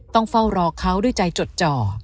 ต้องเฝ้ารอเขาด้วยใจจดจ่อ